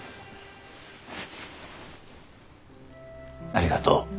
ありがとう。